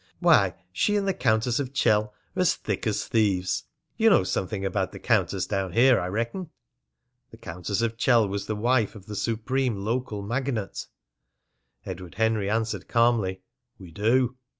"Why, she and the Countess of Chell are as thick as thieves! You know something about the countess down here, I reckon?" The Countess of Chell was the wife of the supreme local magnate. Edward Henry answered calmly, "We do."